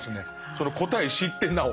その答え知ってなお。